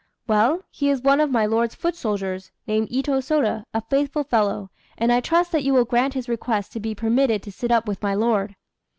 "Well, he is one of my lord's foot soldiers, named Itô Sôda, a faithful fellow, and I trust that you will grant his request to be permitted to sit up with my lord."